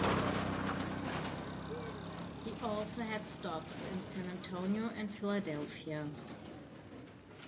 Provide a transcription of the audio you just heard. He also had stops in San Antonio and Philadelphia.